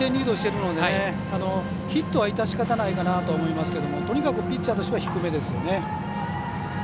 １点リードしているのでヒットは致し方ないかなと思いますが、とにかくピッチャーとしては低めですよね。